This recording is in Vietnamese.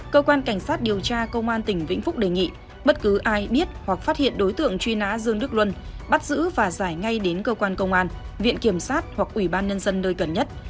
cơ quan cảnh sát điều tra công an tỉnh vĩnh phúc đề nghị bất cứ ai biết hoặc phát hiện đối tượng truy nã dương đức luân bắt giữ và giải ngay đến cơ quan công an viện kiểm sát hoặc ủy ban nhân dân nơi gần nhất